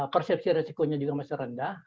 persepsi resikonya juga masih rendah